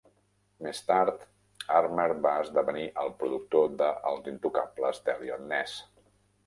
Més tard, Armer va esdevenir el productor de "Els intocables d'Elliot Ness".